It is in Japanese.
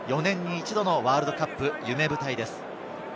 ４年に一度のワールドカップ、夢舞台です。